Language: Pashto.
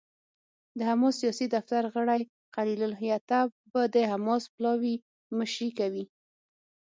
د حماس سیاسي دفتر غړی خلیل الحية به د حماس پلاوي مشري کوي.